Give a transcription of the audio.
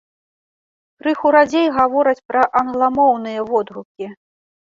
Крыху радзей гавораць пра англамоўныя водгукі.